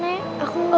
nanti aku cari bunda